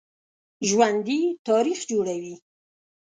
ژوندي تاریخ جوړوي